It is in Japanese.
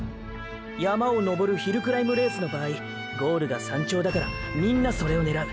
山を登る「ヒルクライムレース」の場合ゴールが「山頂」だからみんなそれを狙う。